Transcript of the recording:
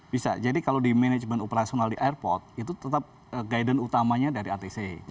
bisa jadi kalau di manajemen operasional di airport itu tetap guidance utamanya dari atc